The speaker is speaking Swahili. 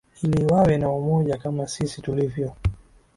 ili wawe na umoja kama sisi tulivyo